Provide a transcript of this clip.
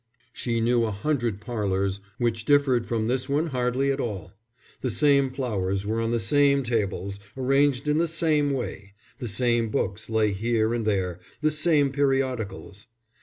She knew a hundred parlours which differed from this one hardly at all: the same flowers were on the same tables, arranged in the same way, the same books lay here and there, the same periodicals.